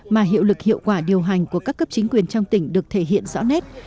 mà hiệu lực hiệu quả điều hành của các cấp chính quyền trong tỉnh được thể hiện rõ nét